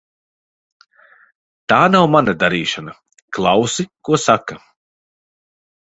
Tā nav mana darīšana. Klausi, ko saka.